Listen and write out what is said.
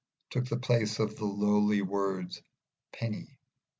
_ took the place of the low word Penny.